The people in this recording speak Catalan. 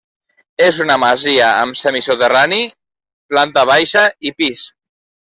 És una masia amb semisoterrani, planta baixa i pis.